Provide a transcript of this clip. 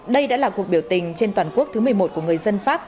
đây đã là cuộc biểu tình trên toàn quốc thứ một mươi một của người dân pháp